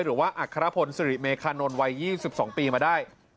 หรือว่าอัครพลศิริเมฆานนทร์วัย๒๒ปีมาได้